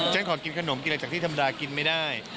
ฉันขอกินขนมกินอะไรจากที่ธรรมดากินไม่ได้